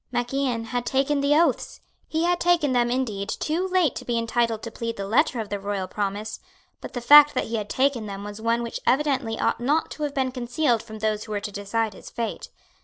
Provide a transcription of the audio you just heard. Mac Ian had taken the oaths. He had taken them, indeed, too late to be entitled to plead the letter of the royal promise; but the fact that he had taken them was one which evidently ought not to have been concealed from those who were to decide his fate.